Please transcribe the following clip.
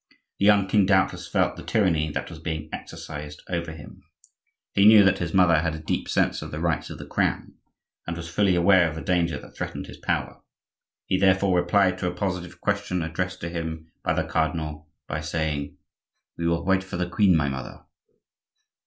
The young king doubtless felt the tyranny that was being exercised over him; he knew that his mother had a deep sense of the rights of the Crown and was fully aware of the danger that threatened his power; he therefore replied to a positive question addressed to him by the cardinal by saying:— "We will wait for the queen, my mother."